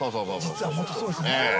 ◆実は元、そうですよね。